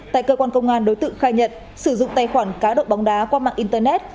tại cơ quan công an đối tượng khai nhận sử dụng tài khoản cá độ bóng đá qua mạng internet